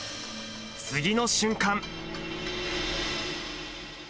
次の瞬間。